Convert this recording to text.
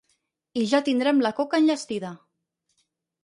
I ja tindrem la coca enllestida.